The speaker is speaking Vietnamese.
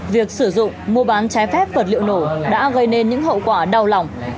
việc sử dụng mua bán trái phép vật liệu nổ đã gây nên những hậu quả đau lòng